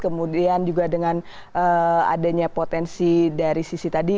kemudian juga dengan adanya potensi dari sisi tadi